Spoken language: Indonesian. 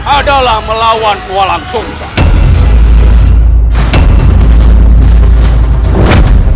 adalah melawan walang sungsang